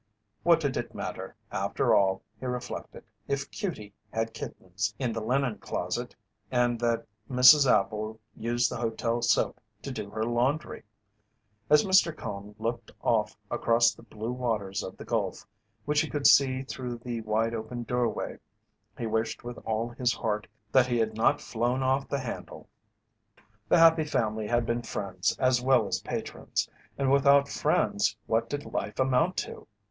What did it matter, after all, he reflected, if "Cutie" had kittens in the linen closet, and that Mrs. Appel used the hotel soap to do her laundry? As Mr. Cone looked off across the blue waters of the Gulf, which he could see through the wide open doorway, he wished with all his heart that he had not "flown off the handle." The Happy Family had been friends as well as patrons, and without friends what did life amount to?